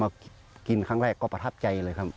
มากินครั้งแรกก็ประทับใจเลยครับ